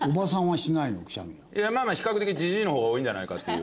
いやまあまあ比較的ジジイの方が多いんじゃないかっていう。